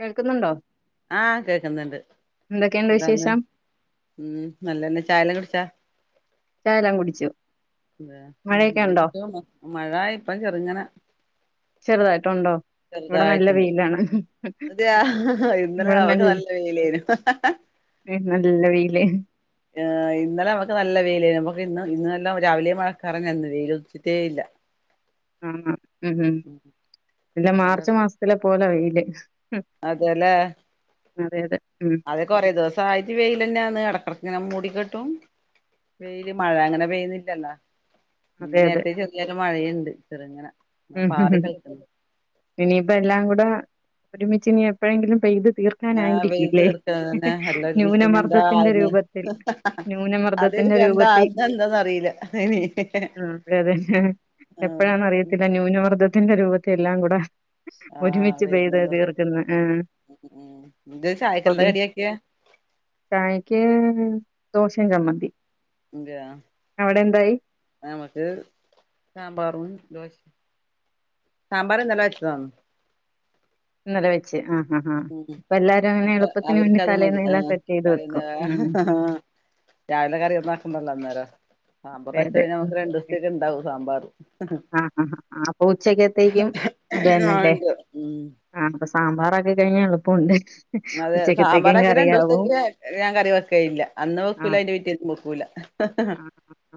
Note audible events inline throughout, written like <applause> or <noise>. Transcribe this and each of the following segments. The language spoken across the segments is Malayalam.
കേൾക്കുന്നുണ്ടോ? ആഹ് കേക്ക്ന്ന്ണ്ട്. എന്തൊക്കെയുണ്ട് എന്താന്ന്? വിശേഷം ഉം നല്ലതന്നെ ചായെല്ലാകുടിച്ചാ? ചായെല്ലാം കുടിച്ചു. ആഹ് മഴയൊക്കെ ഞനെ ഉണ്ടോ കുടിച്ചു മഴ ഇപ്പ ചെറ്ങ്ങനെ. ചെറുതായിട്ടൊണ്ടോ? ചെറുതായിട്ട്ണ്ട്. അതെയാ ഇന്നലെ ഇവിടെ നമക്ക് നല്ല വെയിലേനു. ഏഹ് നല്ല വെയില് ഇന്നലെ നമ്മക്ക് നല്ല വെയിലെയ്നു. നമക്ക് ഇന്ന് ഇന്നല്ലാം രാവിലെയ് മഴക്കറെന്നെ വെയില് ഉദ്ച്ചിട്ടേ ഇല്ല. ആഹാ ഉം ഉം, പിന്നെ മാർച്ച് മാസത്തിലെ പോലെ വെയില്. അതേല്ലെ അതെ അതെ ഉം അതെ കൊറേ ദെവസായിട്ട് വെയില് തന്നാന്ന്. എടക്കെടക്കിങ്ങനെ മൂടിക്കെട്ടും വെയില് മഴ അങ്ങനെ പെയ്ന്നില്ലല്ലോ അതെ അതെ നേര്ത്തെ ചെറിയൊര് മഴെണ്ട് ചെറുങ്ങന ഉം ഇനിയിപ്പ എല്ലാം കൂടെ ഒരുമിച്ച് ഇനി എപ്പഴെങ്കിലും പെയ്ത് തീർക്കും. ആഹ് പെയ്ത് ക്കാനായിരിക്കുല്ലേ. തീർക്കണതന്നെ എല്ലാം ഒരുമിച്ചിനി എന്താ ന്യൂനമർദ്ദത്തിന്റെ ആവുന്നെ രൂപത്തിൽ ന്യൂനമർദ്ദത്തിന്റെ അതെനിക്ക് എന്താ രൂപത്തിൽ ആവുന്നെ എന്താന്ന് അറിയില്ല ഇനി ആഹ് അതെ അതെ. ആഹ് എപ്പഴാന്ന് ഉം അറിയത്തില്ല ന്യൂനമർദ്ദത്തിന്റെ രൂപത്തി എല്ലാം കൂടെ ആഹ് ഒരുമിച്ച് പെയ്ത് വരുന്നന്ന് തീർക്കുന്നെ. ആഹ് ഉം എന്താ അപ്പൊ ചായക്കെന്താ പി കടിയാക്കിയെ ചായക്ക് ദോശേം ചമ്മന്തീം. തെയാ നമക്ക് സാമ്പാറും ദോശേം. സാമ്പാറ് ഇന്നലെ വെച്ചതാ. ഇന്നലെ വെച്ച്. ആഹ് അഹാ ഉം ഇപ്പ എല്ലാരും അങ്ങനെ അപ്പൊ എളുപ്പത്തിന് വേണ്ടി അവർക്കത് മതി തലേന്നെല്ലാം ആഹ് സെറ്റെയ്ത് വെക്കും. ഉം പറയുന്ന രാവിലെ കറി ഒന്നാക്കണ്ടല്ലോ അന്നേരം. ആഹ് അപ്പ അതെ വെച്ച് അതെ കയ്ഞ്ഞ നമക്ക് രണ്ട് നേരത്തേക്ക്‌ണ്ടാവും സാമ്പാറ്. ആഹ് അഹ അപ്പൊ ഉച്ചക്കത്തേക്കും അത് ആഹ് തന്നല്ലേ. ഇണ്ട് ഉം ആഹ് അപ്പ സാമ്പാറാക്കിക്കയ്ഞ്ഞാ എളുപ്പോണ്ട്. അതെ. സാമ്പാറാക്ക്യാ രണ്ടോസ്ത്തെക്ക് ഞാൻ കറി വെക്കേ ഇല്ല. അന്നും വെക്കൂല അയ്ന്റെ പിറ്റേന്നും വെക്കൂല. ആഹ് ആഹ്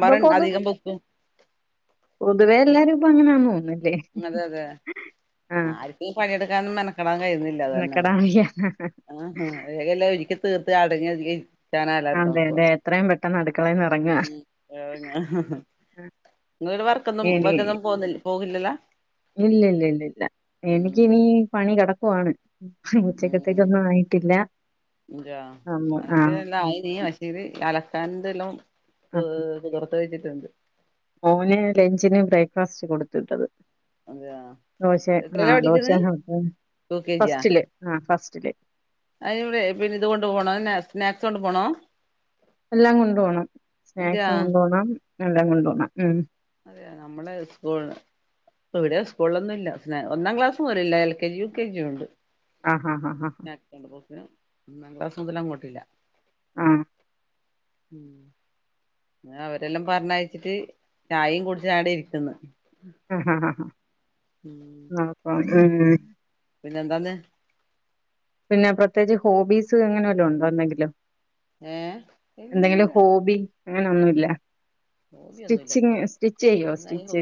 ഇപ്പൊ അധികം വെക്കും. പൊതുവേ എല്ലാരുപ്പെ അങ്ങനാന്ന് തോന്ന്ന്നൂല്ലേ. അതെ അതെ. ആര്ക്കീ പണിയെടുക്കാനും മെനക്കെടാനും കഴിയുന്നില്ലല്ലോ. മെനക്കെടാൻ വയ്യ. ആഹ്, വേഗെല്ലാം ഒരുക്കിത്തീർത്ത് അടങ്ങി ഒതുങ്ങി ഇര്ക്കാനാ എല്ലാരും നോക്കുക. എത്രേം പെട്ടെന്ന് അടുക്കളേന്ന് എറങ്ങ. ഇങ്ങള് വർക്കൊന്നും വർക്കൊന്നും പോക്ന്നില്ല പോക്ന്നില്ലല്ലാ. ഇല്ലല്ലല്ല ഇല്ല എനിക്കിനീ പണി കെടക്കുവാണ്. ഉം ഉച്ചക്കത്തേക്കൊന്നും ആയിട്ടില്ല. അമ്മ് ആഹ് ഇനി അലക്കാൻന്തെല്ലം പൊ പൊത്ർത്ത് വെച്ചിട്ടുണ്ട്. ഓന് ലഞ്ചിന് ബ്രേക്ക്ഫാസ്റ്റ് കൊടുത്ത് വിട്ടത്. അതെയാ ദോശെ എത്രയിലാ ആഹ് പഠിക്കുന്നെ ദോശാണ് <unintelligible> യു ഫസ്റ്റില് ആഹ് ഫസ്റ്റില്. അയ് വേ പിന്നെ ഇത് കൊണ്ട് പോണോ ന്നെ സ്നാക്സ് കൊണ്ട് പൊണോ? എല്ലാം കൊണ്ട് പോണം ക എന്തിനാ സ്നാക്സും കൊണ്ട് പോണം എല്ലാം കൊണ്ട് പോണം ഉം. അതെയാ നമ്മളെ സ്കൂൾന് ഇവിടെ സ്കൂളൊന്നുല്ല സ്നാ ഒന്നാം ക്ലാസ്സു മുതല് ഇല്ല L K G U K ജിയും ഉണ്ട്. ആഹ് ഹാ ഹാ ഹാ ഹാഹ്. സ്നാക്ക്സ്ണ്ട് <unintelligible> ഒന്നാം ക്ലാസ്സ്‌ മുതല് അങ്ങോട്ടില്ല. ആഹ്. ഉം. പിന്നെ അവരെല്ലാം പർഞ്ഞയ്ച്ചിട്ട് ചായേം കുട്ച്ച് ആടെ ഇര്ക്ക്‌ന്ന്. ആഹ് ഹാ ഹാ ഹാ. ഉം. നോക്കാ ഉം. പിന്നെന്താന്ന്? പിന്നെ പ്രത്യേച്ച് ഹോബീസ് അങ്ങനെ വല്ലോം ഉണ്ടോ എന്തെങ്കിലും. ഏഹ് എന്തെങ്കിലും ഹോബി അങ്ങനെ ഒന്നുല്ല. സ്റ്റിച്ചിങ് ഹോബിയൊന്നുല്ലപ്പാ സ്റ്റിച്ച് ചെയ്യോ സ്റ്റിച്ച്?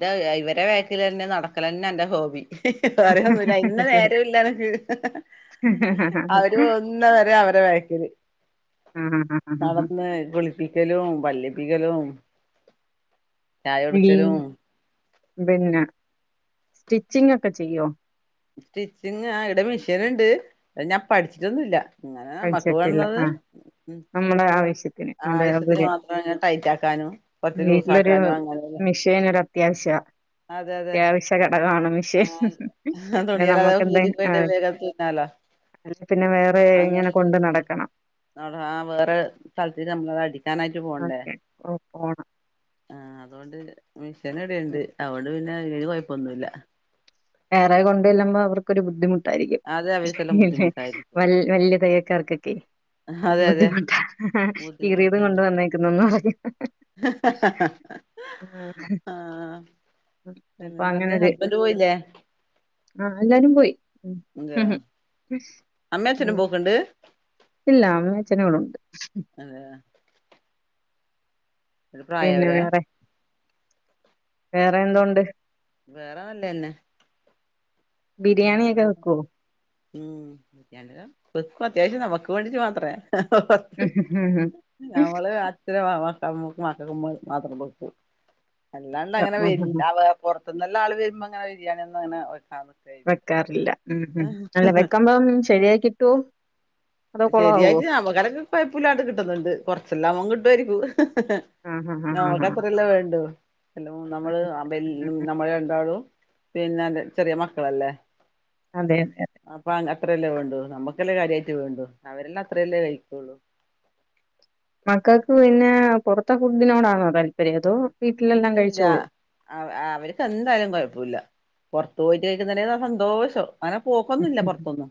<unintelligible> ഇവരെ ബാക്കിലെന്നെ നടക്കലെന്നെ എന്റെ ഹോബി. സൊറയൊന്നുല്ല അയ്ന്ന്ല്ലെ സ്റ്റിച്ച്? നേരു ഇല്ല എനക്ക്. ആ, അവര് പോവുന്ന വരെ അവരെ വേക്കില്. ആഹാ ഹാ. നടന്ന് കുളിപ്പിക്കലും പല്ലേപ്പിക്കലും. വീ പിന്നെ സ്റ്റിച്ചിങ്ങൊക്കെ ചെയ്യോ? സ്റ്റിച്ചിങ് ആഹ് ഈടെ മെഷീന്ണ്ട് ഞാൻ പഠിച്ചിട്ടൊന്നുല്ല. ഇങ്ങനെ നമ്മക്ക് പഠിച്ചിട്ടില്ല വേണുന്നത് ആ ഉം. നമ്മുടെ ആവശ്യ ആവശ്യത്തിന് മാത്രം ഇങ്ങനെ ടൈറ്റാക്കാനും കൊറച്ച് ലൂസാക്കാനും അങ്ങനെന്നെ. ടൈറ്റെയ്യാൻ ഒരത്യാവശ്യവാ. അത്യാവശ്യ ഘടകമാണ് മിഷീൻ. ആ പിന്നെ തുണിയല്ലാതെ നമുക്കെന്തേം കീറിപ്പോയിട്ട് ആയ് വേഗം തുന്നാലോ അല്ലേ പിന്നെ വേറെ ഇങ്ങനെ കൊണ്ട് നടക്കണം. നടാ ആഹ് വേറെ സ്ഥലത്തീക്ക് നമ്മളത് അടിക്കാനായിട്ട് പോണ്ടേ. ഓക്കെ പോണം ആഹ് അതോണ്ട് മിഷൻ ഇവിട്ണ്ട് അതോണ്ട് പിന്നെ അയന് കൊഴപ്പൊന്നുല്ല. വേറെ കൊണ്ട് ചെല്ലുമ്പം അവർക്കൊര് ബുദ്ധിമു ട്ടായിയിരിക്കും. അത് അവർക്കെല്ലാം ഇല്ലെ ബുദ്ധിമുട്ടായിരിക്കും വൽ വല്ല്യ തയ്യൽക്കാർക്കൊക്കെ അതെ അതെ ബുദ്ധിമുട്ടാ ബുദ്ധിമുട്ട് കീറിയതും കൊണ്ട് വന്നേക്കുംന്നെന്നും പറഞ്ഞ്. ആഹ്. അപ്പൊ പിന്നെന്താന്ന്, അങ്ങനൊരു ഹസ്ബന്ഡ് പോയില്ലേ? ആഹ് എല്ലാരും പോയി ഉം. അതെയോ ഉം <unintelligible> ഇല്ല അമ്മയും അഛനും ഇവടുണ്ട്. അതെ. ഒരു പിന്നെ പ്രായായവരാ വേറെ, വേറെ എന്തോണ്ട്? വേറെ വല്ലേന്നെ ആ ബിരിയാണിയൊക്കെ വെക്കോ അത്യാവശ്യം നമക്ക് വേണ്ടിട്ട് മാത്രേ നമ്മളെ <unintelligible> മാത്രം പോക്കു അല്ലാണ്ട് അങ്ങനെ വ പുറത്ത നിന്നല്ല ആൾ വരുമ്പോൾ അങ്ങനെ ബരിയാണ ഒന്ന് അങ്ങനെ വെക്കാന്ന് വെക്കാറില്ല ഉ ഉം അല്ല വെക്ക്പം ശരിയായി കിട്ടുവോ അതോ കൊളാവോ ശരിയായിട്ട് <unintelligible> കുഴപ്പമില്ലാതെ കിട്ടുന്നുണ്ട് കൊറച്ചെല്ലാം അവൻ കിട്ടുമായിരിക്കും ആഹ് ആഹ് ആഹ് ആഹ് ആഹ് നമക്ക്ത്രല്ല വേണ്ട എല്ല നമ്മള് അതെ ഉം. അല്ലും നമ്മൾ രണ്ടാടും പിന്നെ ചെറിയ മക്കളല്ലേ അതെ അതെ അതെ അപ്പ അത്രയല്ലേ വേണ്ടു നമ്മുക്കെല്ലാം കാര്യമായിട്ട് വേണ്ടു അവരെല്ലാം അത്രയല്ലേ കഴിക്കുള്ളൂ മക്കൾക്ക് പിന്നെ പുറത്തെ ഫുഡിനോടാണോ താല്പര്യം അതോ വീട്ടിലെല്ലാം കഴിച്ചോളൂ ആ അവർക്ക് എന്തായാലും കുഴപ്പില്ല പുറത്ത് പോയിട്ട് കഴിക്കുന്ന സന്തോഷം അങ്ങനെ പോക്കൊന്നുമില്ല പുറത്തൊന്നും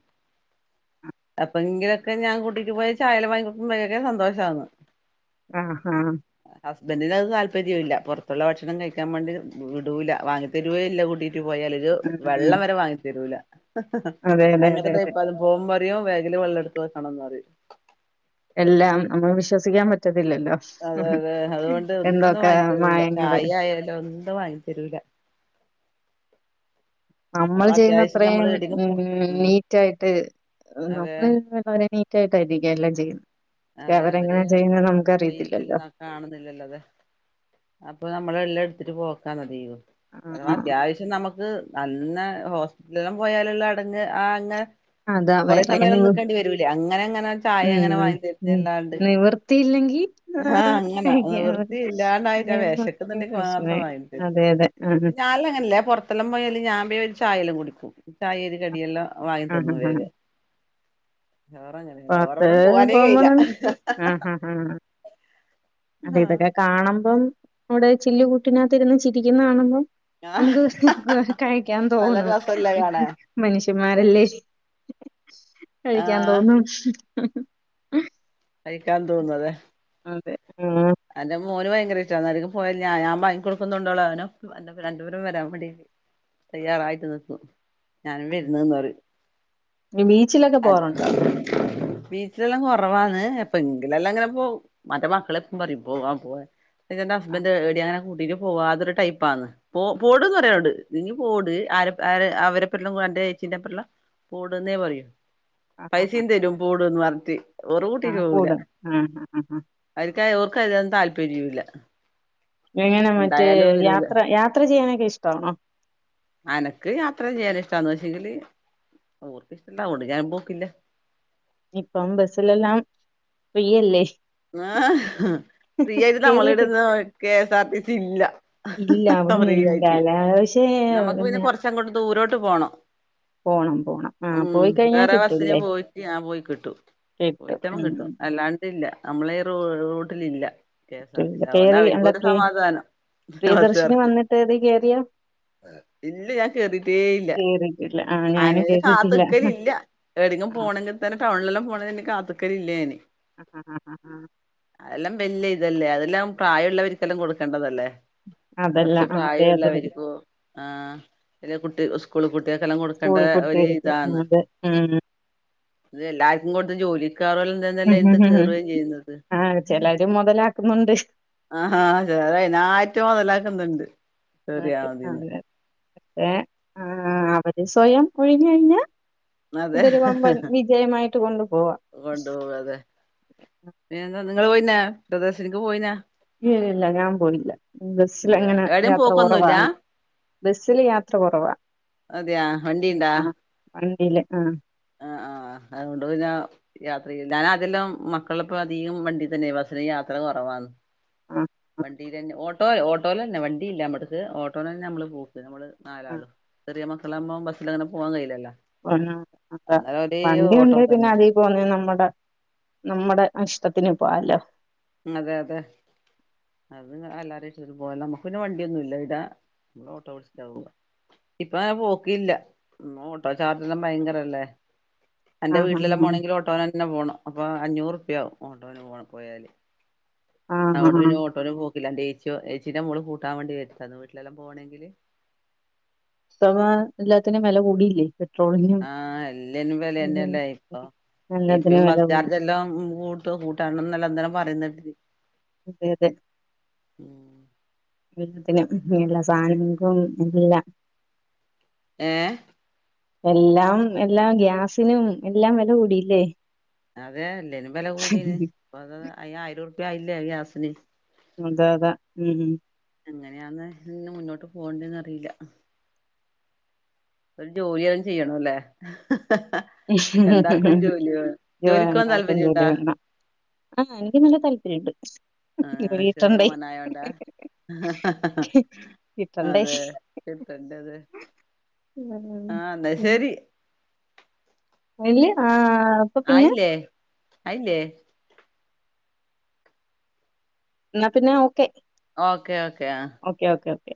അപ്പ എങ്കിലൊക്കെ ഞാൻ കുട്ടിക്ക് പോയി ചായ വാങ്ങിക്കക്കുമ്പോഴൊക്കെ സന്തോഷന്ന് ആഹ് അഹ് ഹസ്ബന്ഡറിന് അത് താല്പര്യം ഇല്ല പുറത്തുള്ള ഭക്ഷണം കഴിക്കാൻ വേണ്ടി വിടൂല്ല വാങ്ങിതരുവും ഇല്ല കൂട്ടിയിട്ട് പോയാ വെള്ളം ഉം വരെ വാങ്ങി തരൂല അതെ അതെ അങ്ങനത്തെ അതെ അതെ ടൈപ്പ് ആളാണ് പോകുമ്പോൾ പറയും ബാഗിലെ വെള്ളം എടുത്തു വെക്കണം എന്ന് പറയും എല്ലാം നമ്മക്ക് വിശ്വസിക്കാൻ പറ്റത്തില്ലല്ലോ അതെ അതെ അതുകൊണ്ട് ഒന്നും എന്തൊക്കെ വാങ്ങിത്തരൂല മായങ്ങള് ചായ ആയാല ഒന്നും വാങ്ങി തരൂല നമ്മൾ അഥവാ ചെയ്യുന്ന അത്യാവശ്യം നമ്മള് അത്രയും എടേലും ഉ പോ ഉം നീറ്റ ആയിട്ട് അതെ നമ്മൾരെ കേട്ടായിരിക്ക എല്ലാം ചെയ്യുന്നത് അതെ അവര് അവരെങ്ങനാ ചെയ്യുന്നത് നമുക്ക് അറിയത്തില്ലല്ലോ ചെയ്യുന്നില്ല കാണുന്നില്ലല്ലോ അതെ അപ്പൊ നമ്മള എല്ലാം എട്ത്തിട്ട് പോക്കാ മതി, അതവാ ആഹ് അത്യാവശ്യം നമ്മക്ക് നന്നെ ഹോസ്പിറ്റലെല്ലാം പോയാലൊള്ള അടങ്ങ്ഹാ ആങ്ങെ- അതാ കൊറെേ വേറെ സമയല്ലാം നിവ നിക്കണ്ടി വരൂലേ അങ്ങനെ അങ്ങനെ ഉം ചായെങ്ങനെ വാങ്ങിതെരും. ഉം നിവർത്തിയില്ലെങ്കി- ആഹ് അങ്ങനാ നിവൃത്തി ഇല്ലാണ്ടായിട്ട്ആ വെശക്ക്‌ന്ന്ണ്ടെങ്കി മാത്രം വാങ്ങിതരും. അതെ അതെ ആഹ് ഞാൽലങ്ങനല്ലെ പൊറത്തെല്ലാം പോയാല് ഞാൻ ബേം ചായെല്ലാം കുടിക്കും. ചായേം ഒര് കടിയെല്ലാം. വാങ്ങി ആഹ് ത്‌ന്നു ആഹ് വേഗം. ഓറങ്ങനെല്ല, ഓരെ പുറത്ത് കൂടെ പോവാനേ കഴിയില. പോകുമ്പോളും ആഹ് ആഹ് ആഹ് അതെ ഇതൊക്കെ കാണുമ്പം അവ്ടെ ചില്ല്കൂട്ടിനാത്തിര്ന്ന് ചിരിക്കുന്ന കാണുമ്പം- ആഹ് നമുക്ക് കഴിക്കാൻ നല്ല തോന്നും രസല്ലേ കാണാൻ മന്ഷ്യന്മാരല്ലേ. കഴിക്കാൻ ആഹ് തോന്നും. കഴിക്കാൻ തോന്നും. അതെ അതെ. ആഹ് അന്റെ മോന് ഭയങ്കര ഇഷ്ട എന്നരികെ പോയാലും ഞാൻ ബാങ്ങി കൊടുക്കുന്നുണ്ടൊളവനും, എന്റപ്പം രണ്ട്പേരും വരാ അടി - തയ്യാറായിട്ട് നിക്കും. ഞാനും വര്ന്ന്ന്ന് പറയും. ബീച്ചിലൊക്കെ അത്.... പോവാറുണ്ടോ ഈ <inaudible> ല്ലാം കൊറവാന്ന് അപ്പൊ എങ്കിലെല്ലാം ഇങ്ങനെ പോം. മറ്റെഹ് മക്കളെപ്പളും പറയും പോവാം പോ- ഇ എന്റെ ആഹ് ഹസ്ബന്റ് ഏടീം അങ്ങനെ കൂട്ടീട്ട് പോവാതൊരുടൈപ്പാണ്. പോ പോഡ്ന്ന് പറയെന്നോട്. നി പോട് ആരെ അവരെ, അവരെപ്പല്ലഅന്റെ ചേച്ചീന്റെപ്പള്ള - പോഡ്ന്നേ പറയൂ. ആഹ് ആഹ് പൈസീം തരും. പോഡ്ന്ന് പറഞ്ഞ്ട്ട്. ആഹ് പോടും. ആഹ് ഹാ ഹാ ഹാ <unintelligible> ചേലോർക്കയിനൊന്നും താൽപര്യോല്ലാ. എങ്ങനെ മറ്റേ യാത്ര യാത്ര ചെയ്യാനൊക്കെ ഇഷ്ടാണോ? എനിക്ക് യാത്ര ചെയ്യാന്ഷ്ടാന്ന്. പക്ഷേങ്കില് ഓർക്ക്ഷ്ടല്ല. അവോണ്ട് ഞാനും പോക്കില്ല. ഇപ്പം ബസ്സിലെല്ലാം ഫ്രീയല്ലേ. ആ. ഫ്രീ ആയിട്ട് കേറിയിട്ട് നമ്മളവിടെന്നും K S R T C ഇല്ല. ഫ്രീ ആയിട്ട്. ചെ. പിന്നെ. കുറച്ചെങ്ങോട്ട് ദൂരോട്ട് പോണം. പോണം പോണം ആഹ് ഉം. പോയി കഴിഞ്ഞാൽ വേറെ ബസ്സിന് കിട്ടൂല്ലേ പോയിട്ട്, ഞാം പോയി കിട്ടു. കിട്ടും പോയിട്ടം ഉം കിട്ടും. അല്ലാണ്ട് ഇല്ല. നമ്മളെ ഈ റൂട്ടിലില്ല. K S R T C. അതുകൊണ്ട് കേറി എന്താ അവർക്കൊര് പ്രിയ സമാധാനം, പ്രിയദർശിനി ബസ്സാർക്ക്. വന്നിട്ട് ഇത് കേറിയോ ഇല്ലെയ് ഞാൻ കേറീട്ടേ ഇല്ല. കേറിയിട്ടില്ല ആ ഞാനും അയ്നായിട്ട് കേറിയിട്ടില്ല കാത്ത്ക്കലില്ല. എവിടെങ്കിലും ആ പോണെങ്കി തന്നെ ടൗൺലെല്ലാം പോണെന് കാത്ത്ക്കലില്ല ഞാന്. അ. ഹ ഹ ഹ ഹാ. അതെല്ലാം വെല്ല്യേ ഇതല്ലേ അതെല്ലാം പ്രായള്ളവര്ക്കെല്ലാം കൊട്ക്കണ്ടതല്ലേ? അതല്ല കൊറച്ച് ആ അതെ അതെ അതെ പ്രായള്ളവര്ക്കും, ആ, അല്ലേ കുട്ടി സ്കൂള് കുട്ട്യാക്കെല്ലാം കൊട് - സ്കൂള് കുട്ട്യാക്കൊക്കെ കൊടുക്കുന്നത്. ഉം. ഇത് എല്ലാര്ക്കും കൊട്ത്ത് ജോലിക്കാർനൽ തന്നല്ലേ ഇത് കേ - ആ, ചെലര് മൊതലാക്ക്ന്ന്ണ്ട്. ആ, ചെലരയ്നായ്റ്റ് മൊതലാക്ക്ന്ന്ണ്ട്. നാട്ട് ആ, എ അവര് സ്വയം ഒഴിഞ്ഞ് കഴിഞ്ഞ- അതെ ഇതൊരു വമ്പൻ വിജയമായിട്ട് കൊണ്ടുപോവാം. കൊണ്ടുപോകും അതെ. പിന്നെന്താ നിങ്ങള് പോയീനോ പ്രിയദർശിനിക്ക് പോയീനോ? ഇല്ല ഇല്ല ഞാൻ പോയില്ല. അതെയാ ബസ്സ്ലങ്ങനെ എവിടെയും യാത്ര പോക്കൊന്നുല്ല കൊറവാണ്. ബസ്സിൽ യാത്ര കൊറവാ. അതെയാ വണ്ടിയുണ്ടോ? വണ്ടിയിൽ, ആ. ആ, ആ. അതുകൊണ്ട് പിന്നാ യാത്ര ചെയ്യ. ഞാന അകലം മക്കളിപ്പ അധികം വണ്ടി തന്നെ. ബസിന് യാത്ര കുറവാണ്. ആ വണ്ടി തന്നെ. ഓട്ടോ ഓട്ടോൽ തന്നെ, വണ്ടി ഇല്ല. നമ്മടക്ക് ഓട്ടോന തന്നെ നമ്മള് പോക്ക് നമ്മള് ആ നാലാള് ചെറിയ മക്കള ആകുമ്പോ ബസ്സിൽ അങ്ങനെ പോവാൻ കഴില്ലല്ലോ. വണ്ടി ഓട്ടോ ഉണ്ട് പിന്നെ തന്നെ അതി പോന്നേ നമ്മുടെ നമ്മുടെ ഇഷ്ടത്തിന് പോകാലോ. അതെ, അതെ. അത് അല്ലാരും ഇഷ്ടംപോലെ നമുക്ക് പിന്നെ വണ്ടിയൊന്നും ഇല്ല. ഇടാ നമ്മൾ ഓട്ടോ വിളിച്ചാ പോവുക. ഇപ്പൊ അങ്ങ നെ പോക്കില്ല. ഓട്ടോ ചാർജ്ല്ലാം ഭയങ്കരല്ലേ. എന്റെ ആഹ് വീട്ടിലല്ലാം ആഹ് പോണമെങ്കിൽ ഓട്ടോന തന്നെ പോകണം. അപ്പൊ അഞ്ഞൂറ് ഉറുപ്യയാവും ഓട്ടോന് പോ പോയാല്. ആഹ് അതുകൊണ്ട് ആഹ് പിന്നെ ഓട്ടോനും പോക്കില്ലാ. ചേച്ചിന്റെ മോൾ കൂട്ടാൻ വേണ്ടി വ വിട്ടിൽ ലെല്ലാം പോകണെങ്കില്. എല്ലാത്തിനും വില കൂടിയില്ലേ? പെട്രോളിനും ആ, എല്ലതിന്നും ഉം വിലന്നെല്ലേ ഇപ്പൊ. ഇപ്പോ എല്ലാത്തിനും വില ബസ് കൂടി ചാർജ് എല്ലാം കുട്ടു കുട്ടണം എന്ന ല്ലേ ഇന്നലെ പറയണ്. അതെ അതെ <unintelligible> പിന്നെ എല്ല സാധനങ്ങക്കും എല്ലാം ഏഹ് എല്ലാം എല്ലാ ഗ്യാസിനും എല്ലാം വില കൂടിയില്ലേ അതെ അല്ലേനും വില കൂടീന് അപ്പഅത് ആയിരം രുപ്യയില്ലേ ഗ്യാസിന് അതെ അതാ മം മം എങ്ങനെയാന്ന് ഇന്ന് മുന്നോട്ട് പോണ്ടന്ന് അറിയില്ല ഒരു ജോലിയല്ലാം ചെയ്യണല്ലേ രണ്ടാക്കും ജോലി വേണം ജോ ജോലിക്ക് പോവാൻ രണ്ടക്കും ജോലി താല്പര്യണ്ടാ വേണം ആഹ് എനിക്ക് നല്ല താല്പര്യുണ്ട് ആഹ് ശെരിയ മോനായോണ്ടാ കിട്ടണ്ടേ അതെ ഇട്ടണ്ട് അത് ഉം ആഹ് എന്ന ശരി എല്ല ആഹ് ആയില്ലേ അയില്ലേ എന്നാ പിന്നെ ഓക്കെ ഓക്കേ ഓക്കേ ആഹ് ഓക്കെ ഓക്ക ഓക്കെ